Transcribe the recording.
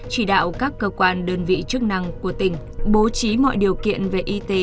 chỉ đạo các cơ quan đơn vị chức năng của tỉnh bố trí mọi điều kiện về y tế